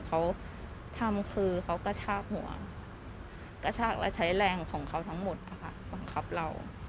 เขาทำคือเขากระชากหัวกระชากแล้วใช้แรงของเขาทั้งหมดนะคะบังคับเรา